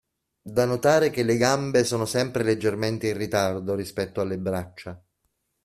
Da notare che le gambe sono sempre leggermente in ritardo rispetto alle braccia.